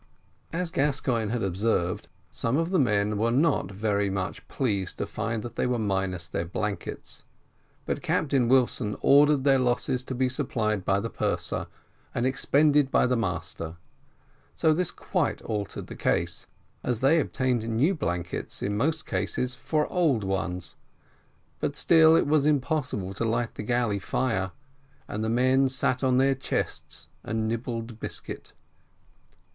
As Gascoigne had observed, some of the men were not very much pleased to find that they were minus their blankets, but Captain Wilson ordered their losses to be supplied by the purser and expended by the master; this quite altered the case, as they obtained new blankets in most cases for old ones; but still it was impossible to light the galley fire, and the men sat on their chests and nibbled biscuit.